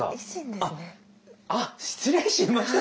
ああっ失礼しました。